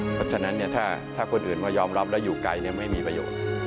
เพราะฉะนั้นถ้าคนอื่นมายอมรับแล้วอยู่ไกลไม่มีประโยชน์